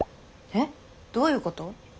えっ！？どういうこと？